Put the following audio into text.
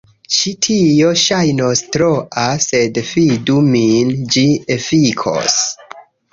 Ĉi tio ŝajnos troa sed fidu min, ĝi efikos.